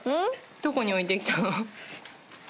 どこに置いて来たの？